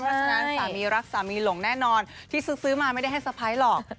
เพราะฉะนั้นสามีรักสามีหลงแน่นอนที่ซื้อมาไม่ได้ให้สะพ้ายหรอก